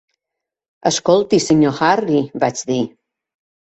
"Escolti, Sr. Harry", vaig dir.